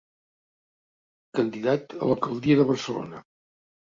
Candidat a l'alcaldia de Barcelona.